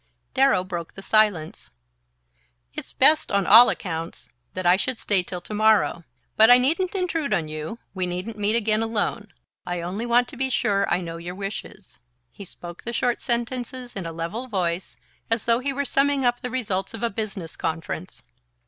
Darrow broke the silence. "It's best, on all accounts, that I should stay till tomorrow; but I needn't intrude on you; we needn't meet again alone. I only want to be sure I know your wishes." He spoke the short sentences in a level voice, as though he were summing up the results of a business conference.